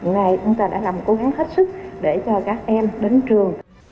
ngày nay chúng ta đã làm một cố gắng hết sức để cho các em đến trường